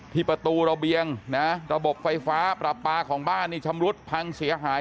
ที่ประตูระเบียงนะระบบไฟฟ้าประปาของบ้านนี่ชำรุดพังเสียหาย